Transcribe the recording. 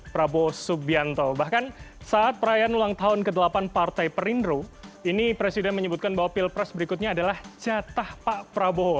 prabowo subianto bahkan saat perayaan ulang tahun ke delapan partai perindro ini presiden menyebutkan bahwa pilpres berikutnya adalah jatah pak prabowo